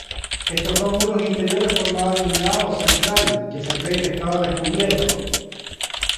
Estos dos muros interiores formaban un naos central que se cree que estaba descubierto.